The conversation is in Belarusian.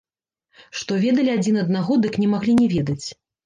Што ведалі адзін аднаго, дык не маглі не ведаць.